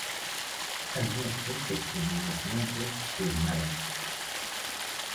Al norte se extienden los Montes de Málaga.